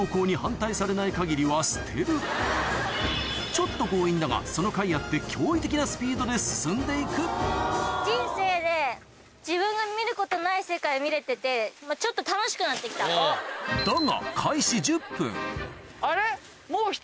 ちょっと強引だがそのかいあって驚異的なスピードで進んでいくだがあれ？